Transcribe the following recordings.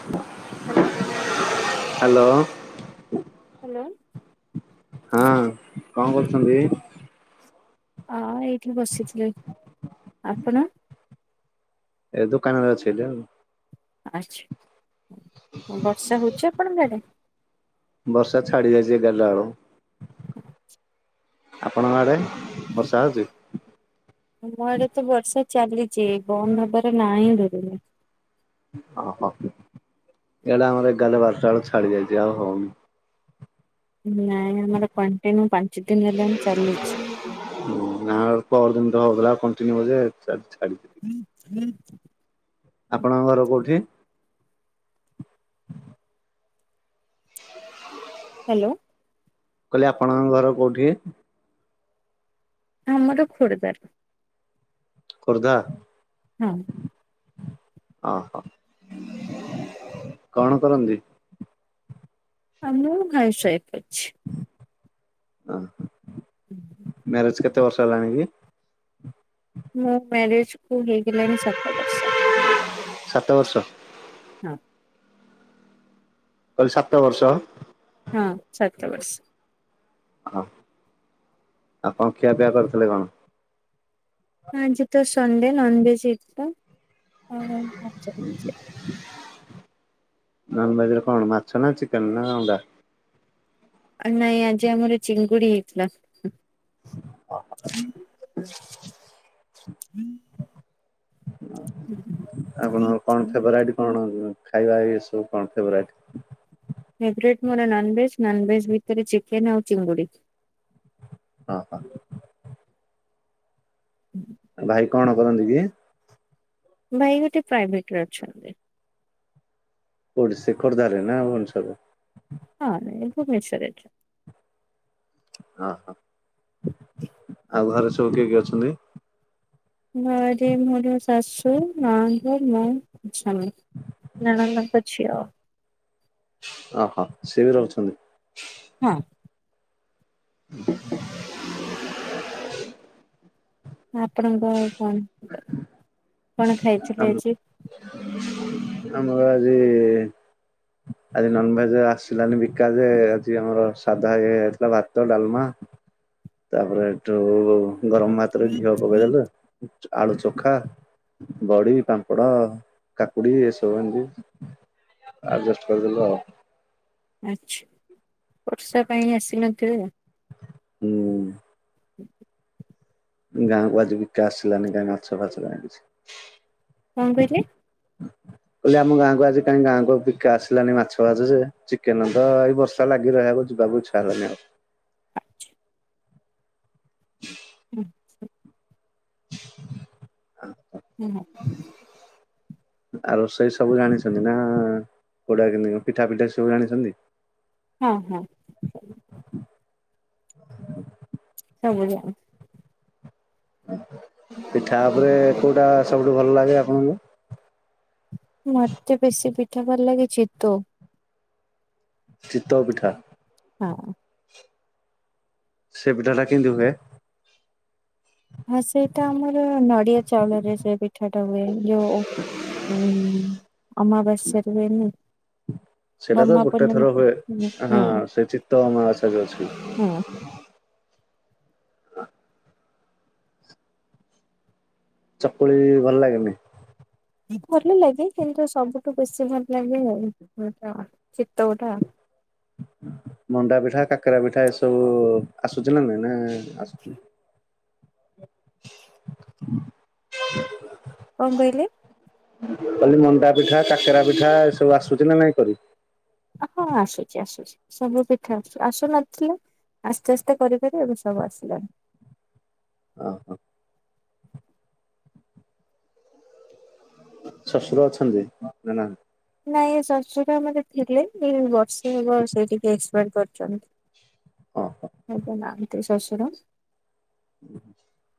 [unintelligible] Hello hello hello ହଁ କଁ କରୁଚନ୍ତି? ହଁ ଏଇଠି ବସିଥିଲି ଆପଣ? ଏ ଦୋକାନରେ ଅଛି ଏଠେ ଆଉ। ଆଛା ବର୍ଷା ହଉଛି ଆପଣ ଆଡେ। ବର୍ଷା ଛାଡ଼ି ଯାଇଛି ଏଗାରଟା ୟଲୁ। ହୁଁ। [inaudible] ଆପଣଙ୍କ ଆଡେ ବର୍ଷା ହଉଛି। ମ ଆଡେ ତ ବର୍ଷା ଚାଲିଛି ବନ୍ଦ ହବାର ନା ହିଁ ଧରୁନି। ଓହୋ ଇଆଡ଼େ ଆମର ଏଗାର ବାରଟା ବେଳେ ଛାଡି ଯାଇଛି ଆଉ ହଉନି। ନାଇଁ ଆମର କଣ୍ଟିନ୍ୟୁ ପାଞ୍ଚ ଦିନ ହେଲାଣିଁ ଚାଲିଛି। ନା ପରର ଦିନ ତ ହଉଥିଲା କଣ୍ଟିନ୍ୟୁ ଯେ ଛାଡିଛି। [inaudible] ଆପଣଙ୍କ ଘର କୋଉଠି? ହଁ। [inaudible] ହାଲୋ। କହିଲି ଆପଣଙ୍କ ଘର କୋଉଠି? ଆମର ଖୋର୍ଦ୍ଧାର। ଖୋର୍ଦ୍ଧା। ହଁ। ଅ ହୋ [inaudible] କଣ କରନ୍ତି। ଆଁ ମୁଁ ଭାଇ ସାଇଫ ଅଛି। ଆ ହଁ। [inaudible] ମ୍ୟାରେଜ କେତେ ବର୍ଷ ହେଲାଣି କି? ମୋ ମ୍ୟାରେଜ କୁ ହେଇଗଲାଣି ସାତ ବର୍ଷ। ସାତ ବର୍ଷ। ହଁ। କହିଲି ସାତ ବର୍ଷ। ହଁ ସାତ ବର୍ଷ। ହଁ ଆଉ କଣ ଖିଆ ପିଆ କରିଥିଲେ କଣ? ଆଜିିତ ସଣ୍ଡେ ନନ୍ଭେଜ୍ ହେଇଥିଲା। ଆଉ [inaudible] ନନଭେଜ୍ ରେ କଣ ମାଛ ନା ଚିକେନ୍ ନା ଅଣ୍ଡା? ଆ ନାଇଁ ଆଜି ଆମର ଚିଙ୍ଗୁଡି ହେଇଥିଲା। [inaudible] ଆପଣଙ୍କର କଣ ଫେବରାଇଟ୍ [inaudible] କଣ ଯୋଉ ଖାଇବା ଇଏ ସବୁ କଣ ଫେବରାଇଟ୍? ଫେବ୍ରେଟ୍ ମୋର ନନ୍ଭେଜ ନନ୍ଭେଜ ଭିତରେ ଚିକେନ ଆଉ ଚିଙ୍ଗୁଡି। ଅ ହ। [inaudible] ଭାଇ କଣ କରନ୍ତି କି? ଭାଇ ଗୋଟେ ପ୍ରାଇଭେଟ୍ ରେ ଅଛନ୍ତି। କୋଉଠି ସେ ଖୋର୍ଦ୍ଧା ରେ ନା ଭୂବନେଶ୍ବର ରେ? ହଁ ନାଇଁ ଏ ଭୁବନେଶ୍ୱର ରେ। ଅହଃ ଆଉ ଘରେ ସବୁ କିଏ କିଏ ଅଛନ୍ତି? ଘରେ ମୋର ଶାଶୁ ନଣନ୍ଦ ମୁଁ ସ୍ୱାମୀ ନଣନ୍ଦ ଙ୍କ ଝିଅ। ଅହଃ ସିଏ ବି ରହୁଛନ୍ତି? ହଁ। ଆପଣଙ୍କ କଣ କଣ ଆମ ଖାଇଛନ୍ତି ଆଜି? ଆମର ଆଜି ଆଜି ନନଭେଜେ ଆସିଲାନି ବିକା ଯେ ଆଜି ଆମର ସାଧା ଇଏ ହେଇଥିଲା ଭାତ, ଡାଲମା ତାପରେ ହେଠୁ ଗରମ ଭାତରେ ଘିଅ ପକେଇଦେଲେ ଆଳୁ ଚୋଖା ବଡି, ପାମ୍ପଡ, କାକୁଡି ଏସବୁ ଏମିତି ଆରଜଷ୍ଟ କରିଦେଲୁ ଆଉ। ଆଚ୍ଛା ବର୍ଷା ପାଇଁ ଆସିନଥିବେ ଆଉ। ହୁଁ। ଗାଁକୁ ଆଜି ବିକା ଆସିଲାନି କାଇଁ ମାଛ ଫାଛ କାଇଁ କିଛି। କଣ କହିଲେ? ମୁଁ କହିଲି ଆମ ଗାଁକୁ ଆଜି କାଇଁ ଗାଁକୁ ବିକା ଆସିଲାନି ମାଛ ଫାଛ ଯେ ଚିକେନ ତ ଏଇ ବର୍ଷା ଲାଗି ରହିବାକୁ ଯିବାକୁ ଇଛା ହେଲାନି ଆଉ। [inaudible] [unintelligible] [unintelligible] ଆ ରୋଷେଇ ସବୁ [unintelligible] ପିଠା ପିଠା ସବୁ ଜାଣିଚନ୍ତି? ହଁ ହଁ। ସବୁ [unintelligible] ପିଠା ଉପରେ କୋଉଟା ସବୁଠୁ ଭଲ ଲାଗେ ଆପଣଙ୍କୁ? ମତେ ବେଶୀ ପିଠା ଭଲ ଲାଗେ ଚିତୋଉ। ଚିତୋଉ ପିଠା। ହଁ। ସେ ପିଠା ଟା କେମିତି ହୁଏ? ହଁ ସେଇଟା ଆମର ନଡ଼ିଆ ଚାଉଳରେ ସେ ପିଠାଟା ହୁଏ ଯୋଉ ଉଁ ଅମାବାସ୍ୟା ରେ ହୁଏନି। ସେଟା ତ ଗହ୍ମା ଗୋଟେ ପୂର୍ଣ୍ଣିମା। ଥର ହୁଏ ହୁଁ ହାଁ ସେ ଚିତଉ ଅମାବାସ୍ୟା ଯୋଉ ଅଛି। ହଁ। [unintelligible] ଚକୁଳି ଭଲ ଲାଗେନି? ଭଲ ଲାଗେ କିନ୍ତୁ ସବୁଠୁ ବେଶୀ ଭଲ ଲାଗେ ଉଁ ଅଁ ଚିତଉଟା। ମଣ୍ଡା ପିଠା, କାକେରା ପିଠା ଏସବୁ ଆସୁଚି ନା ନାଇଁ ନା ଆସୁନି? [inaudible] କଣ କହିଲେ? ମୁଁ କହିଲି ମଣ୍ଡା ପିଠା, କାକେରା ପିଠା, ଏସବୁ ଆସୁଚି ନା ନାଇଁ କରି? ଅହଁ ଆସୁଛି ଆସୁଛି। ସବୁ ପିଠା ଆସୁନଥିଲା ଆସ୍ତେ ଆସ୍ତେ କରିକରି ଏବେ ସବୁ ଆସିଲାଣି। ଓହୋ। ଶଶୁର ଅଛନ୍ତି ନା ନାହାନ୍ତି? ନାଇଁ ଏ ଶଶୁର ମାନେ ଥିଲେ ଦି ବର୍ଷେ ହବ ସେ ଟିକେ ଏକ୍ସପାଡ କରିଛନ୍ତି। ଓହୋ ଏବେ ନାହାନ୍ତି ଶଶୁର। [inaudible]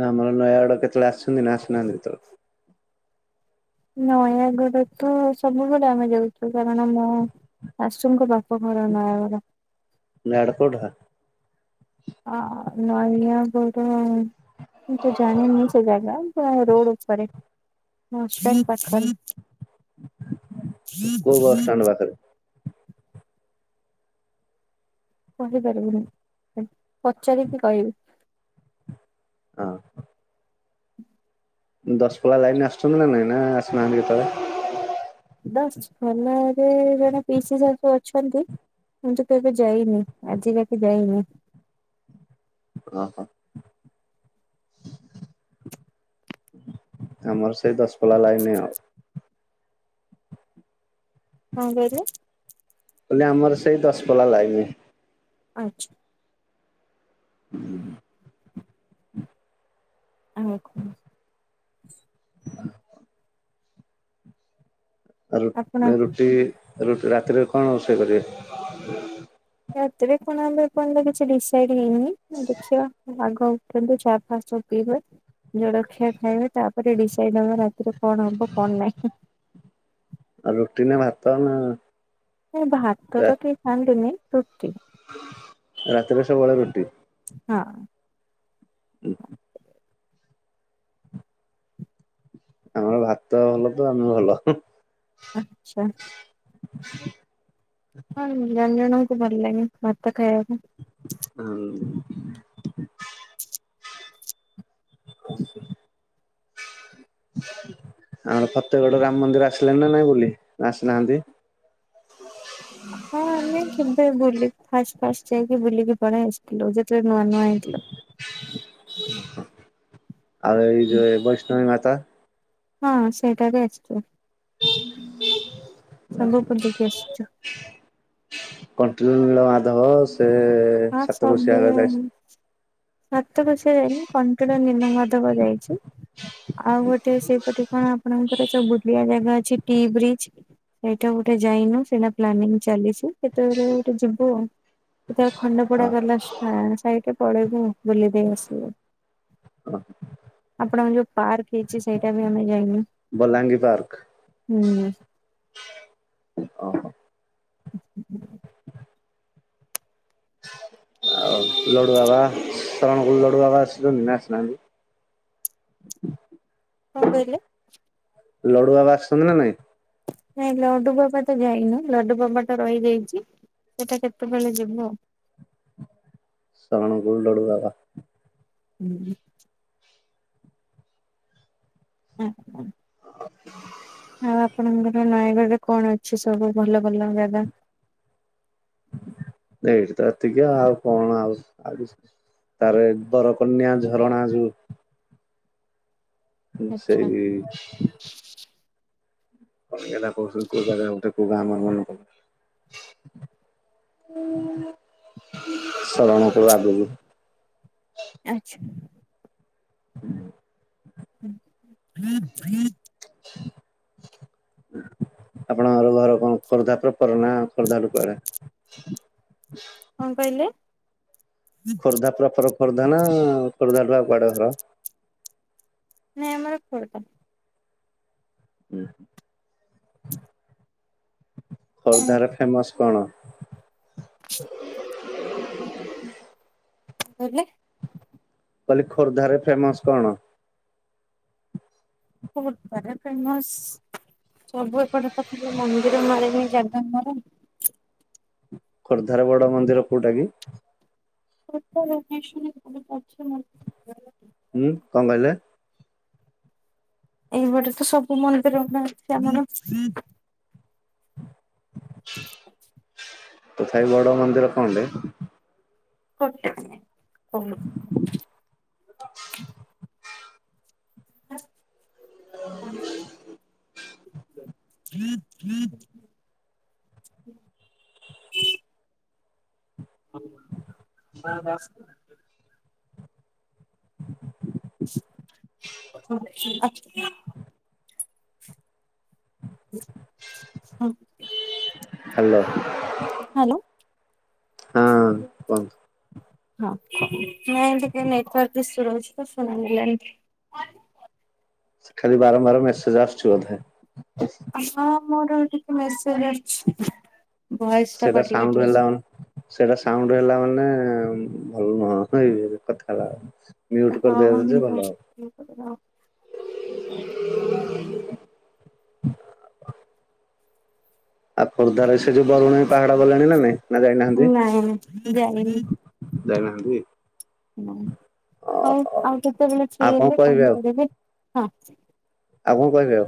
ନା ଆମର ନୟାଗଡ କେତେବେଳେ ଆସିଛନ୍ତି ନା ଆସିନାହାନ୍ତି କେତେବେଳେ? ନୟାଗଡ ତ ସବୁବେଳେ ଆମେ ଯାଉଛୁ କାରଣ ମୋ ଶାଶୁଙ୍କ ର ବାପ ଘର ନୟାଗଡ଼। ନୟାଗଡ଼ କୋଉ ଠା? ଆ ନୟାଗଡ଼ ମୁଁ ତ ଜଣିନି ସେ ଯାଗା ପୁରା ରୋଡ ଉପରେ। ହଷ୍ଟେଲ ପାଖରେ। କୋଉ ବସ୍ ଷ୍ଟାଣ୍ଡ ପାଖରେ? କହିପାରିବିନି, ପଚାରିକି କହିବି। ହଁ। ଦଶପଲ୍ଲା ଲାଇନ୍ ରେ ଆସୁଛନ୍ତି ନା ନାଇଁ ନା ଆସୁନାହାନ୍ତି କେତେବେଳେ? ଦଶପଲ୍ଲା ରେ ଜଣେ ପିଇସି ଶାଶୁ ଅଛନ୍ତି କିନ୍ତୁ କେବେ ଯାଇନି ଆଜିଯାକେ ଯାଇନି। ଅହ। ଆମର ସେଇ ଦଶପଲ୍ଲା ଲାଇନ୍ ଆଉ। କଣ କହିଲେ? କହିଲି ଆମର ସେଇ ଦଶପଲ୍ଲା ଲାଇନ୍। ଆଚ୍ଛା। ଆଉ କଣ? ଆଉ ରୁ ଆପଣ ରୁଟି ରାତିରେ କଣ ରୋଷେଇ କରିବେ? ରାତିରେ କଣ ହବ ଏ ପର୍ଯ୍ୟନ୍ତ କିଛି ଡିସାଇଡ ହେଇନି ଦେଖିବା ଆଗ ଉ ଉଠନ୍ତୁ ଚା ଫା ସବୁ ପିଇବେ। ଜଳଖିଆ ଖାଇବେ ତାପରେ ଡିସାଇଡ ହବ ରାତିରେ କଣ ହବ କଣ ନାହିଁ। ଆଉ ରୁଟି ନା ଭାତ ନା ନାଇଁ ଭାତ ତ କେହି ଖାଆନ୍ତିିନି ରୁଟି। ରାତିରେ ସବୁବେଳେ ରୁଟି? ହଁ। [inaudible] ଆମର ଭାତ ଭଲ ତ ଆମେ ଭଲ ହୁଁ। ଆଚ୍ଛା। ହଁ ଜଣ ଜଣଙ୍କୁ ଭଲ ଲାଗେ ଭାତ ଖାଇବା ପାଇଁ। ହୁଁ। ଆଉ ଫତେଗଡ ରାମ ମନ୍ଦିର ଆସିଲେଣି ନା ନାଇଁ ବୁଲି ଆସିନାହାନ୍ତି। ହଁ ଆମେ କେବେ ବୁଲି ଫାଷ୍ଟ ଫାଷ୍ଟ ଯାଇକି ବୁଲିକି ପଳେଇ ଆସିଥିଲୁ ଯେତେବେଳେ ନୂଆ ନୂଆ ହେଇଥିଲା। ଆଉ ଏଇ ଯୋଉ ଏ ବୈଷ୍ଣବୀ ମାତା। ହଁ ସେଇଟା ବି ଆସିଛୁ ସବୁ ବୁଲିକି ଆସିଛୁ। କଣ୍ଟିଲୋ ନୀଳ ମାଧବ ସେ ହଁ ସାତକୋଶିଆ ସବୁ ସାତକୋଶିଆ ଯାଇନି କଣ୍ଟିଲୋ ନୀଳମାଧବ ଯାଇଛି। ଆଉ ଗୋଟେ ସେପଟେ କଣ ଆପଣଙ୍କର ସବୁ ଆ ଜାଗା ଅଛି ଟି ବ୍ରିଜ ସେଇଟା ଗୋଟେ ଯାଇନୁ ସେଇଟା ପ୍ଲାନିଂ ଚାଲିଚି। କେତେବେଳେ ହେଲେ ଗୋଟେ ଯିବୁ ଆଉ। ସେତେବେଳେ ଖଣ୍ଡପଡା ଗଲା ସେ ସାଇଟ୍ ରେ ପଳେଇବୁ ବୁଲି ଦେଇ ଆସିବୁ। ହଁ ଆପଣଙ୍କ ଯୋଉ ପାର୍କ ହେଇଛି ସେଇଟା ବି ଆମେ ଯାଇନୁ। ବଲାଙ୍ଗୀ ପାର୍କ ହ [inaudible] ଆଉ ଲଡୁବାବା ଶରଣକୁଳୁ ଲଡୁବାବା ଆସିଛନ୍ତି ନା ଆସିନାହାନ୍ତି ହ [inaudible] କଣ କହିଲେ? ଲଡୁବାବା ଆସିଛନ୍ତି ନା ନାଇଁ? ନାଇଁ ଲଡୁବାବା ତ ଯାଇନୁ ଲଡୁବାବା ଟା ରହିଯାଇଛି ସେଟା କେତେବେଳେ ଯିବୁ। ଶରଣକୁଳୁ ଲଡୁବାବା ହୁଁ ହୁଁ ହ [inaudible] ଆଉ ଆପଣଙ୍କର ନୟାଗଡ କଣ ଅଛି ସବୁ ଭଲ ଭଲ ଜାଗା? ଏଇଠି ତ ଏତିକି ଆଉ କଣ ଆଉ ଆଉ କିଛି ନାଇଁ। ତାପରେ ବରକନ୍ୟା ଝରଣା ଯୋଉ ଆଚ୍ଛା ସେଇ ହରିଆନା କହୁଛନ୍ତି କୋଉ ଜାଗା ଗୋଟେ କୋଉ ଗାଁ ମୋର ମନେ ପଡୁନି। [unintelligible] ଶରଣକୁଳ ଆଗୁକୁ। ଆଚ୍ଛା। [inaudible] ହୁଁ। ହ ହଁ ହଁ [unintelligible] [inaudible] ଆପଣଙ୍କର ଘର କଣ ଖୋର୍ଦ୍ଧା ପ୍ରପର ନା ଖୋର୍ଦ୍ଧାରୁ କୁଆଡେ? କଣ କହିଲେ ଖୋର୍ଦ୍ଧା ପ୍ରପର ଖୋର୍ଦ୍ଧା ନା ଖୋର୍ଦ୍ଧାଠୁ ଆଉ କୁଆଡେ ଘର? ନାଇଁ ଆମର ଖୋର୍ଦ୍ଧା। ହୁଁ। କଣ ଖୋର୍ଦ୍ଧାର ଫେମସ୍ କଣ କହିଲେ କହିଲି ଖୋର୍ଦ୍ଧାରେ ଫେମସ୍ କଣ ଖୋର୍ଦ୍ଧା ରେ ଫେମସ୍ ମନ୍ଦିର ମାଳିନୀ ଜାଗା ଆମର। ଖୋର୍ଦ୍ଧାରେ ବଡ଼ ମନ୍ଦିର କୋଉଟା କି? ଖୋର୍ଦ୍ଧା ଭୁବନେଶ୍ୱରରେ [inaudible] ହୁଁ କଣ କହିଲେ? ଏଇପଟେ ତ ସବୁ ମନ୍ଦିର ଗୁଡା ଅଛି ଆମର। [unintelligible] ତଥାପି ବଡ ମନ୍ଦିର କଣ ଟେ ଗୋଟେ ମିନିଟ୍। [inaudible] ହ ହ [unintelligible] ହ ହ [inaudible] [inaudible] [inaudible] [inaudible] ହଁ ହାଲୋ ହାଲୋ। କୁହନ୍ତୁ। ହଁ ନାଇଁ ଏମିତି ଟ୍ରେନରେ ଏପଟେ ସେ ରହୁଛି ଯେ ସେ [unintelligible] ଖାଲି ବାରମ୍ବାର ମେସେଜ୍‌ ଆସୁଚି ବୋଧେ। ହଁ ମୋର ଟିକେ ମେସଜ୍ ଆସୁଚି। ସେଟା ସାଉଁଣ୍ଡୁ ହେଲା ମାନେ ସେଟା ସାଉଣ୍ଡୁ ହେଲା ମାନେ ଭଲ ନୁହଁ ନାହିଁକି କଥା ରା ମିଉଟୁ କରିଦେବେଯେ ଭଲ ହବ। ଏପଟକୁ ଆ। ଆଉ ଖୋର୍ଦ୍ଧାରେ ସେ ଯୋଉ ବରୁଣେଇ ପାହାଡ ଗଲେଣି ନା ନାଇଁ ନା ଯାଇନାହାନ୍ତି। ନାଇଁ ଯାଇନି। ଯାଇନାହାନ୍ତି। ନାଇଁ ହଉ ଓହୋ। ଆଉ କେତେବେଳେ ଫ୍ରି ଆଉ କଣ ହେଲେ କହିବେ ଆଉ? କହିପାରିବି ହଁ। ଆଉ କଣ କହିବେ ଆଉ।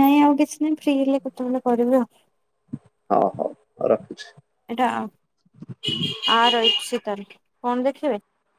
ନାଇଁ ଆଉ କିଛି ନାହିଁ ଫ୍ରି ହେଲେ କେତେବେଳେ କରିବି ଆଉ। ହଉ ହଉ ରଖୁଛି। ଆ ରହିଛି ତା ହେଲେ କଣ ଦେଖିବେ?